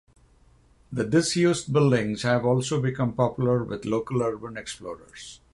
The disused buildings have also become popular with local urban explorers.